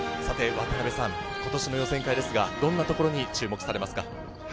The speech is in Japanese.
今年の予選会ですが、どんなところに注目されますか？